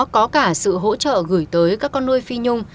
có cả sự hỗ trợ gửi tới các con nuôi phi nhung